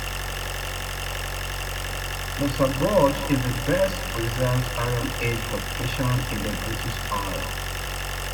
Mousa Broch is the best preserved Iron Age fortification in the British Isles.